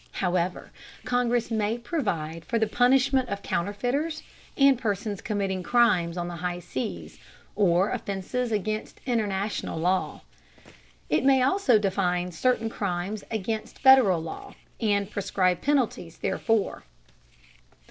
However, Congress may provide for the punishment of counterfeiters and persons committing crimes on the high seas or offences against international law. It may also define certain crimes against Federal law, and prescribe penalties therefor.